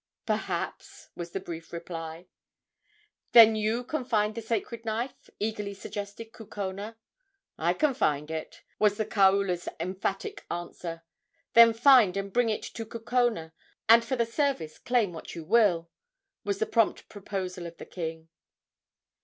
"Perhaps," was the brief reply. "Then you can find the sacred knife?" eagerly suggested Kukona. "I can find it," was the kaula's emphatic answer. "Then find and bring it to Kukona, and for the service claim what you will," was the prompt proposal of the king.